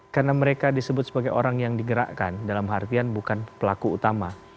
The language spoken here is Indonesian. karena mereka disebut sebagai orang yang digerakkan dalam artian bukan pelaku utama